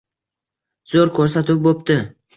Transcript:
Zo‘r ko‘rsatuv bo‘pti.